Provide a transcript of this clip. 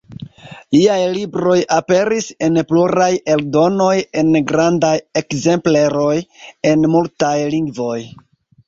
Liaj libroj aperis en pluraj eldonoj en grandaj ekzempleroj, en multaj lingvoj.